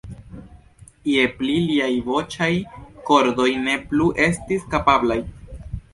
Je pli liaj voĉaj kordoj ne plu estis kapablaj.